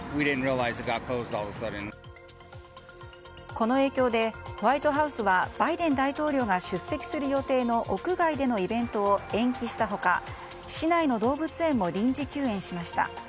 この影響でホワイトハウスはバイデン大統領が出席する予定の屋外でのイベントを延期した他市内の動物園も臨時休園しました。